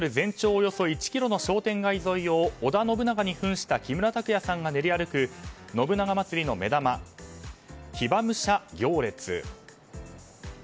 およそ１ｋｍの商店街沿いを織田信長に扮した木村拓哉さんが練り歩く信長まつりの目玉、騎馬武者行列。